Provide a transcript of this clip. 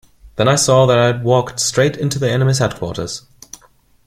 Then I saw that I had walked straight into the enemy’s headquarters.